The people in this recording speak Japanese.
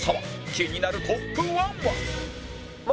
気になるトップ１は？